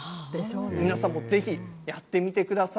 皆さんもぜひ、やってみてください。